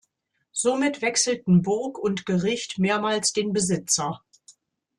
Somit wechselten Burg und Gericht mehrmals den Besitzer.